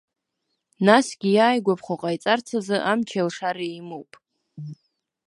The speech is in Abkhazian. Насгьы иааигәаԥхо ҟаиҵарц азы амчи алшареи имоуп.